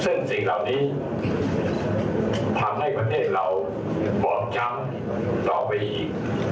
ซึ่งสิ่งเหล่านี้ทำให้ประเทศเราบอบช้ำต่อไปอีก